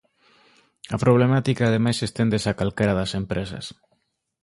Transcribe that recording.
A problemática ademais esténdese a calquera das empresas.